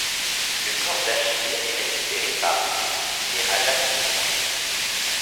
Le corps d'Achille est récupéré par Ulysse et Ajax le grand.